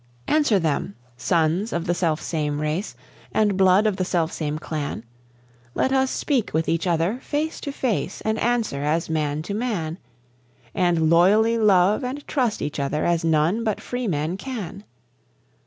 Answer them, sons of the self same race, And blood of the self same clan; Let us speak with each other face to face And answer as man to man, And loyally love and trust each other as none but free men can.